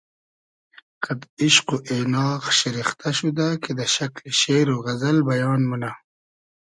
قئد ایشق و اېناغ شیرختۂ شودۂ کی دۂ شئکلی شېر و غئزئل بیان مونۂ